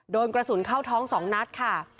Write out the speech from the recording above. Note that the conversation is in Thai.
โดนกระสุนเข้าท้อง๒นัดค่ะ